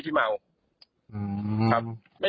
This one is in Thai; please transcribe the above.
คนที่ใส่เชื้อบอกว่า